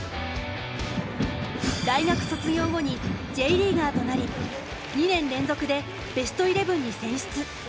大学卒業後にＪリーガーとなり２年連続でベストイレブンに選出。